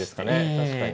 確かに。